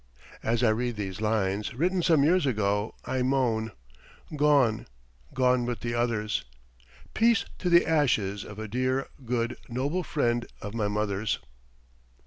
[As I read these lines, written some years ago, I moan, "Gone, gone with the others!" Peace to the ashes of a dear, good, noble friend of my mother's.